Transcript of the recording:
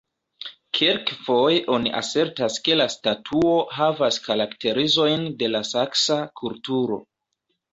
Kelkfoje oni asertas ke la statuo havas karakterizojn de la saksa kulturo.